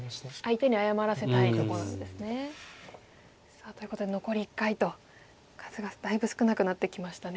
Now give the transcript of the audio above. さあということで残り１回と数がだいぶ少なくなってきましたね。